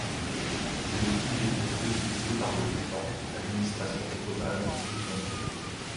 C'est le style d'écriture utilisé par le divan, l’administration ottomane, d'où son nom.